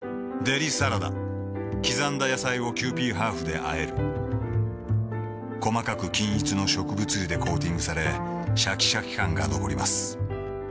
デリサラダ刻んだ野菜をキユーピーハーフであえる細かく均一の植物油でコーティングされシャキシャキ感が残ります